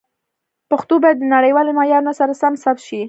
پښتو باید د نړیوالو معیارونو سره سم ثبت شي.